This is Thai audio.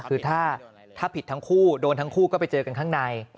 คือถ้าผิดทั้งคู่โดนทั้งคู่ก็ไปเจอกันข้างใน